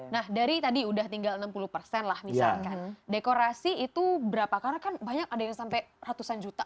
nah dari tadi udah tinggal enam puluh persen lah misalkan dekorasi itu berapa karena kan banyak ada yang sampai ratusan juta